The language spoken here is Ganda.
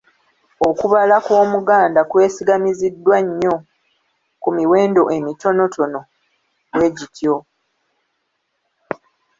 Okubala kw’Omuganda kwesigamiziddwa nnyo ku miwendo emitonoto bwe gityo.